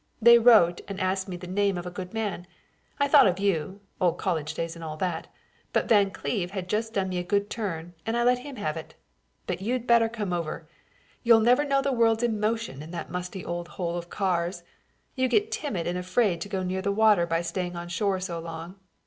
They wrote and asked me the name of a good man. I thought of you old college days and all that but Van Cleve had just done me a good turn and I had to let him have it. But you'd better come over. You'll never know the world's in motion in that musty old hole of Carr's. You get timid and afraid to go near the water by staying on shore so long.